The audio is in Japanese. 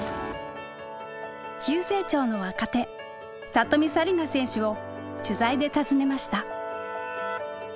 急成長の若手里見紗李奈選手を取材で訪ねました。